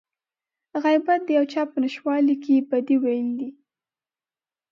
غيبت د يو چا په نشتوالي کې بدي ويل دي.